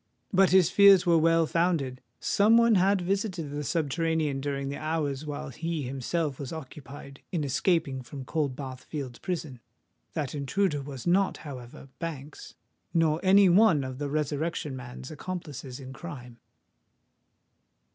But his fears were well founded: some one had visited the subterranean during the hours while he himself was occupied in escaping from Coldbath Fields' Prison. That intruder was not, however, Banks—nor any one of the Resurrection Man's accomplices in crime.